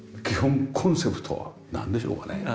基本コンセプトはなんでしょうかね？